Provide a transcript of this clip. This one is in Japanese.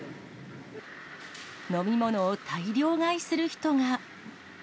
飲み物を大量買いする人が。